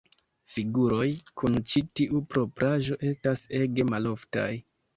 Figuroj kun ĉi tiu propraĵo estas ege maloftaj.